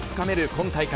今大会。